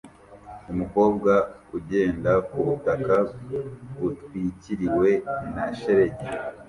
Umukobwa ugenda kubutaka butwikiriwe na shelegi